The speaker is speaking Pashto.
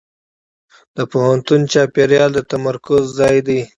د پوهنتون چاپېریال د تمرکز ځای دی.